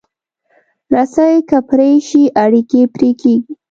رسۍ که پرې شي، اړیکې پرې کېږي.